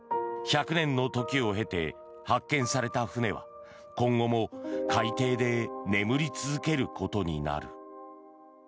１００年の時を経て発見された船は今後も海底で眠り続けることになる。